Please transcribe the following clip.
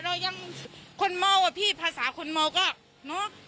เรายังคนเมาอะพี่ภาษาคนเมาก็เนอะ